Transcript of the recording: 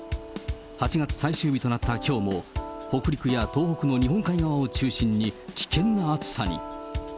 ８月最終日となったきょうも、北陸や東北の日本海側を中心に危険な暑さに。